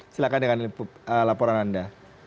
silahkan dengan laporan anda